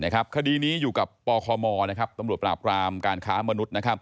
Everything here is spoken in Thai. คดีนี้อยู่กับปคมตำรวจปราบกรามการค้ามนุษย์